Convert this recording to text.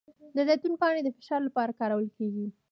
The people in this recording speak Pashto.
د زیتون پاڼې د فشار لپاره کارول کیږي؟